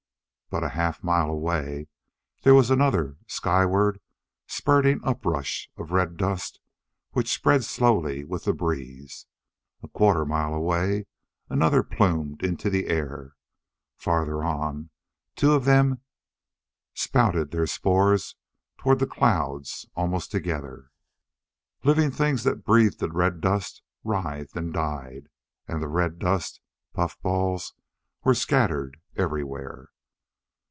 But a half mile away there was another skyward spurting uprush of red dust which spread slowly with the breeze. A quarter mile away another plumed into the air. Farther on, two of them spouted their spores toward the clouds almost together. Living things that breathed the red dust writhed and died. And the red dust puffballs were scattered everywhere.